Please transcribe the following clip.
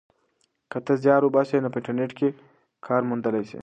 که ته زیار وباسې نو په انټرنیټ کې کار موندلی سې.